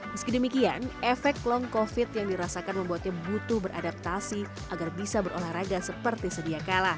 meski demikian efek long covid yang dirasakan membuatnya butuh beradaptasi agar bisa berolahraga seperti sedia kala